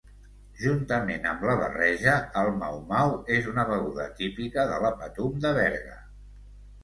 Juntament amb la barreja, el mau-mau és una beguda típica de la Patum de Berga.